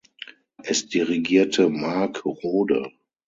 Es dirigierte Mark Rohde.